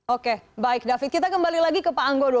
oke baik david kita kembali lagi ke pak anggodo